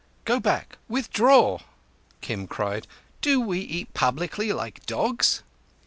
"Go back! Withdraw!" Kim cried. "Do we eat publicly like dogs?"